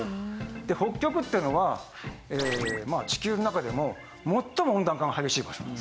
で北極っていうのはまあ地球の中でも最も温暖化が激しい場所なんですね。